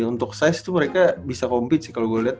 untuk size tuh mereka bisa compete sih kalau gua liat